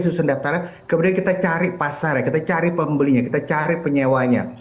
susun daftarnya kemudian kita cari pasar kita cari pembelinya kita cari penyewanya